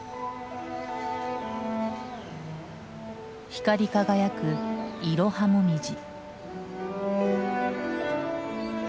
光り輝くイロハモミジ。